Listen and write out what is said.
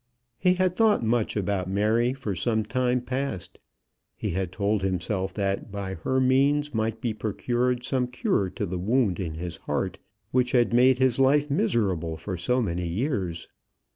He had thought much about Mary for some time past. He had told himself that by her means might be procured some cure to the wound in his heart which had made his life miserable for so many years.